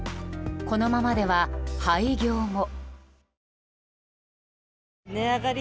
このままでは廃業も。